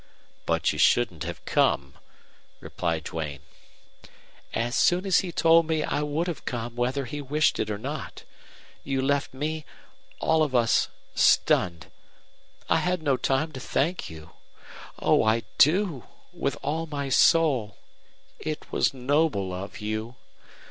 "But you shouldn't have come," replied Duane. "As soon as he told me I would have come whether he wished it or not. You left me all of us stunned. I had no time to thank you. Oh, I do with all my soul. It was noble of you.